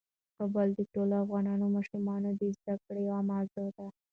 کابل د ټولو افغان ماشومانو د زده کړې یوه موضوع ده.